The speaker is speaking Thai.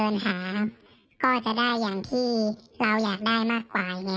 มันไม่สว่างเกินไปมันก็จะ